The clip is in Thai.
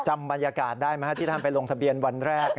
จำบรรยากาศได้ไหมที่ท่านไปลงทะเบียนวันแรก